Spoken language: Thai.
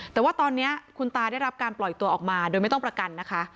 แต่ว่าตอนนี้คุณตาได้รับการปล่อยตัวออกมาโดยไม่ต้องประกันนะคะ